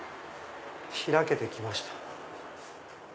開けてきました。